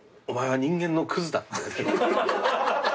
「お前は人間のクズだ」って。